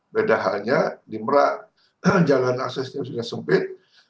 beda halnya di merak jalan aksesnya sudah sempit